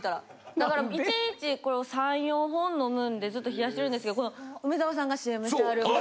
だから１日これを３４本飲むんでずっと冷やしてるんですけどこの梅沢さんがＣＭしてはる。